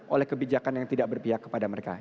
oleh kebijakan yang tidak berpihak kepada mereka